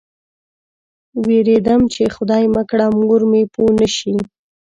وېرېدم چې خدای مه کړه مور مې پوه نه شي.